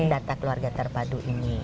data keluarga terpadu ini